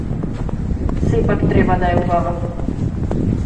Сепак треба да е убава.